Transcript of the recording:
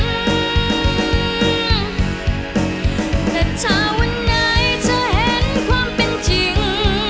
แต่ถ้าวันไหนเธอเห็นความเป็นจริง